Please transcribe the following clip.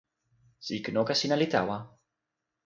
sike noka sina li tawa.